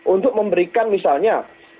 untuk memberikan misalnya